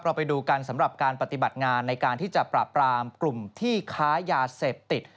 ไปดูกันสำหรับการปฏิบัติงานในการที่จะปราบรามกลุ่มที่ค้ายาเสพติด